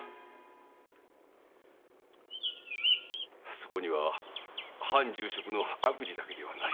そこには藩重職の悪事だけではない。